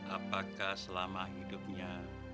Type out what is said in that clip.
apakah selama hidupnya